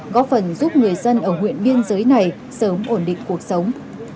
để giúp người dân ở huyện biên giới này sớm ổn định cuộc sống